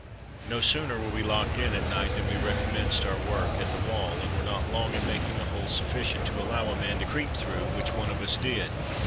No sooner were we locked in at night than we recommenced our work at the wall, and were not long in making a hole sufficient to allow a man to creep through, which one of us did.